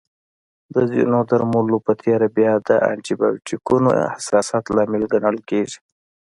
د ځینو درملنو په تېره بیا د انټي بایوټیکونو حساسیت لامل ګڼل کېږي.